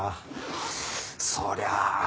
そりゃあ